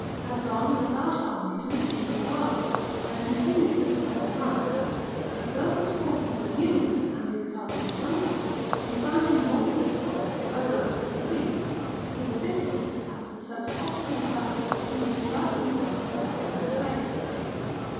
had gone with a large army to the siege of Rhodes, and continued it for several months; but though his forces were numerous, and his courage indomitable, he found them more than equalled by those of the besieged, who resisted his attack with such obstinate valor, that he was at last compelled to retire in disgrace.